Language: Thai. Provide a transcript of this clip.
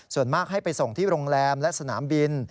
ส่วนมากให้ไปส่งที่โรงแรมและสนามบิน